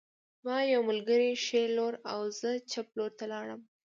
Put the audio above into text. زما یو ملګری ښي لور او زه چپ لور ته لاړم